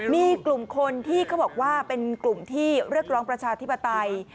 มีกลุ่มคนที่เขาบอกว่าเป็นกลุ่มที่เรียกร้องประชาธิปไตย